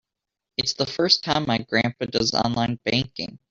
It's the first time my grandpa does online banking.